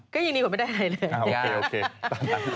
ก็ยังดีกว่าไม่ได้อะไรเลย